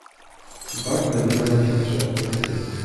Ważne wydają się trzy aspekty